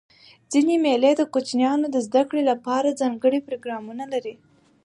ځيني مېلې د کوچنيانو د زدهکړي له پاره ځانګړي پروګرامونه لري.